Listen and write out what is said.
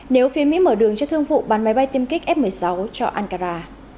nếu phía mỹ mở đường cho thương vụ bắn máy bay tiêm kích f một mươi sáu cho ankara